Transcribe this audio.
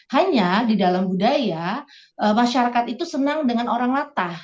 hanya di dalam budaya masyarakat itu senang dengan orang latah